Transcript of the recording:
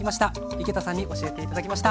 井桁さんに教えて頂きました。